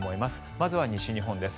まずは西日本です。